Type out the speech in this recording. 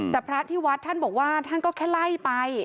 แต่พระที่วัดท่านบอกว่าท่านก็แค่ไล่ไป